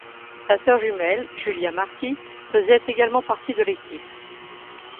Sa sœur jumelle Julia Marty faisait également partie de l'équipe.